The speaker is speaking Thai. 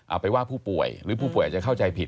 เอาไปว่าผู้ป่วยหรือผู้ป่วยอาจจะเข้าใจผิด